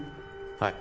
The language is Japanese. はい。